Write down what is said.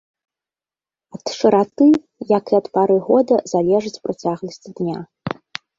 Ад шыраты, як і ад пары года, залежыць працягласць дня.